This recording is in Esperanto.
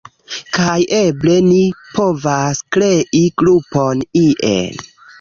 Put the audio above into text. kaj eble ni povas krei grupon ie